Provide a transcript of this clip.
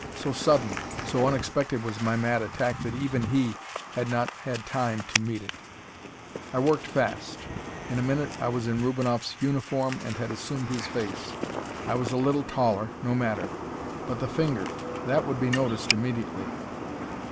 So sudden, so unexpected was my mad attack that even he had not had time to meet it. I worked fast. In a minute I was in Rubinoff's uniform and had assumed his face. I was a little taller; no matter. But the finger that would be noticed immediately.